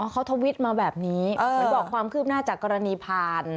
เขาทวิตมาแบบนี้เหมือนบอกความคืบหน้าจากกรณีผ่าน